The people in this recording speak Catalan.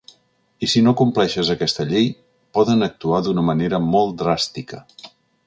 I si no compleixes aquesta llei poden actuar d’una manera molt dràstica.